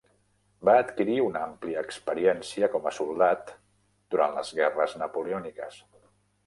Va adquirir una àmplia experiència com a soldat durant les guerres napoleòniques.